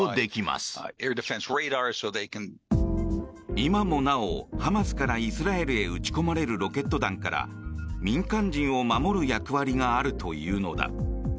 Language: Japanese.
今もなおハマスからイスラエルへ撃ち込まれるロケット弾から民間人を守る役割があるというのだ。